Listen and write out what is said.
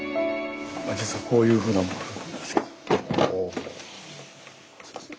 実はこういうふうなものなんですけど。